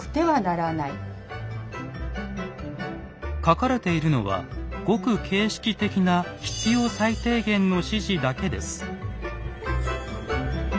書かれているのはごく形式的な必要最低限の指示だけです。